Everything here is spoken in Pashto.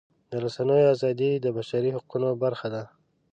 د رسنیو ازادي د بشري حقونو برخه ده.